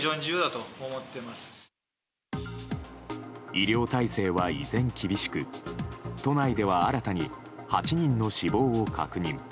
医療体制は依然厳しく都内では、新たに８人の死亡を確認。